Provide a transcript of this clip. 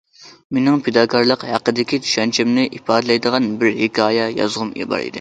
مېنىڭ پىداكارلىق ھەققىدىكى چۈشەنچەمنى ئىپادىلەيدىغان بىر ھېكايە يازغۇم بار ئىدى.